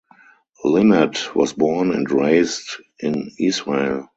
Linet was born and raised in Israel.